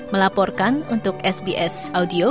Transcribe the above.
melaporkan untuk sbs audio